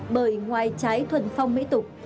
bởi ngoài trái thuần phong mỹ tục